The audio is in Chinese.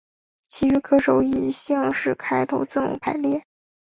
其余歌手以姓氏开头字母排列。